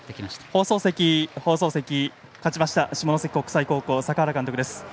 放送席、放送席勝ちました下関国際高校の坂原監督です。